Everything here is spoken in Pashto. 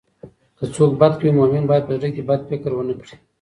که څوک بد کوي، مؤمن باید په زړه کې بد نه فکر کړي.